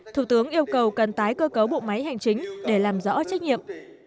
thủ tướng yêu cầu cần tái cơ cấu bộ máy hành chính để làm rõ trách nhiệm